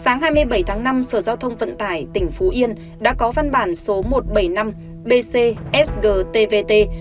sáng hai mươi bảy tháng năm sở giao thông vận tải tp hcm đã có văn bản số một trăm bảy mươi năm bcsgtvt